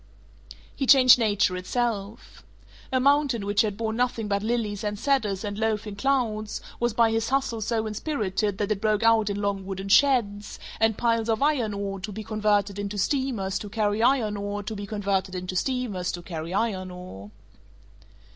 He changed nature itself. A mountain which had borne nothing but lilies and cedars and loafing clouds was by his Hustle so inspirited that it broke out in long wooden sheds, and piles of iron ore to be converted into steamers to carry iron ore to be converted into steamers to carry iron ore.